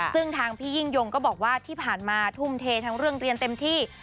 ซึ่งทางพี่ยิ่งยงก็บอกว่าที่ผ่านมาทุ่มเททั้งเรื่องเรียนเต็มที่